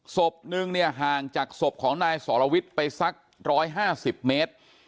ศพหนึ่งเนี่ยห่างจากศพของนายสรวิทย์ไปสักร้อยห้าสิบเมตร